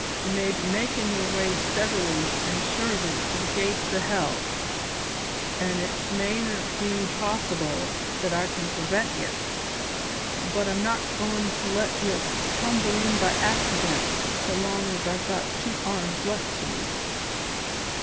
Ye may be makin' your way steadily an' surely to the gates o' hell an' it mayna be possible that I can prevent ye, but I'm not goin' to let ye tumble in by accident so long as I've got two arms left to me."